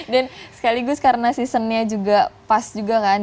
sekaligus karena seasonnya juga pas juga kan